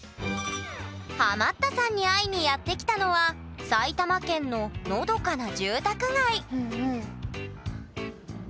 ハマったさんに会いにやって来たのは埼玉県ののどかな住宅街